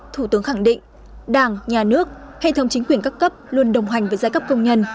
thủ tướng khẳng định đảng nhà nước hệ thống chính quyền các cấp luôn đồng hành với giai cấp công nhân